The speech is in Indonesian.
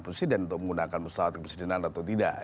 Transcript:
presiden untuk menggunakan pesawat kepresidenan atau tidak